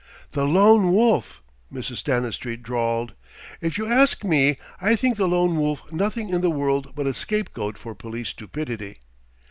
"The Lone Wolf!" Mrs. Stanistreet drawled. "If you ask me, I think the Lone Wolf nothing in the world but a scapegoat for police stupidity."